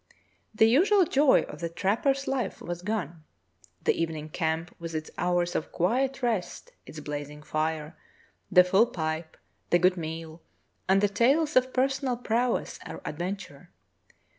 The usual joy of the trapper's life was gone — the evening camp with its hours of quiet rest, its blazing fire, the full pipe, the good meal, and the tales of personal prowess or advent ure.